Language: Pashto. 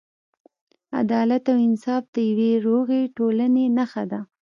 عدالت او انصاف د یوې روغې ټولنې نښه ده.